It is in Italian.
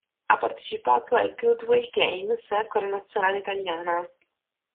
Ha partecipato ai Goodwill Games con la Nazionale italiana.